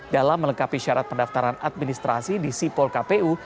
dalam melengkapi syarat pendaftaran administrasi di sipol kpu